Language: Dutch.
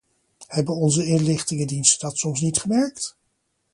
Hebben onze inlichtingendiensten dat soms niet gemerkt?